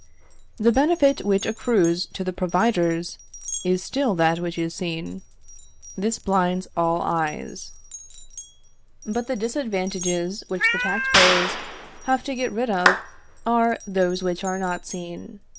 The benefit which accrues to the providers is still that which is seen. This blinds all eyes. But the disadvantages which the tax payers have to get rid of are those which are not seen.